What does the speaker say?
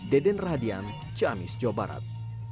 deden rahadian ciamis jawa barat